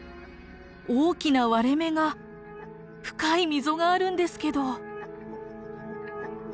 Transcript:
大きな割れ目が深い溝があるんですけど。